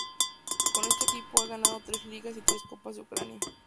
Con este equipo ha ganado tres Ligas y tres Copas de Ucrania.